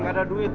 tidak ada duit